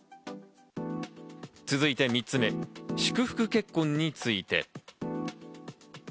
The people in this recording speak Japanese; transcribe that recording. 続いて３つ目、祝福結婚について。